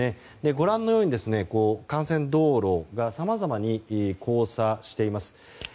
ご覧のように幹線道路がさまざまに交差しています。